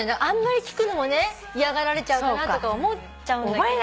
あんまり聞くのもね嫌がられちゃうかなとか思っちゃうんだけど。